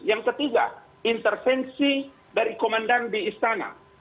yang ketiga intervensi dari komandan di istana